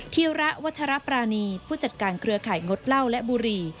ธีระวัชรปรานีผู้จัดการเครือข่ายงดเหล้าและบุรี